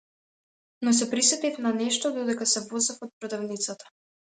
Но се присетив на нешто додека се возев од продавницата.